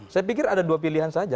saya pikir ada dua pilihan saja